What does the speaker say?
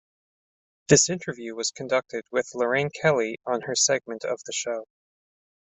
This interview was conducted with Lorraine Kelly on her segment of the show.